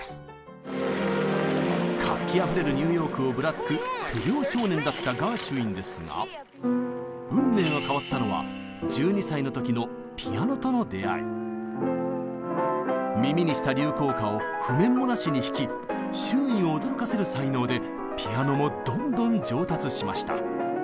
活気あふれるニューヨークをぶらつく不良少年だったガーシュウィンですが運命が変わったのは耳にした流行歌を譜面もなしに弾き周囲を驚かせる才能でピアノもどんどん上達しました。